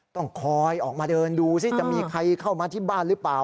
ต้องคอยออกมาเดินดูสิจะมีใครเข้ามาที่บ้านหรือเปล่า